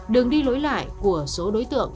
đường đi lối lại của số đối tượng